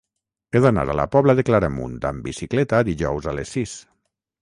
He d'anar a la Pobla de Claramunt amb bicicleta dijous a les sis.